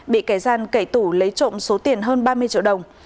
bị kẻ gian cậy tủ lấy trộm số tiền hơn ba mươi triệu đồng